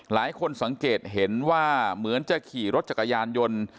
หลายคนสังเกตเห็นว่าเหมือนจะขี่รถจักรยานยนต์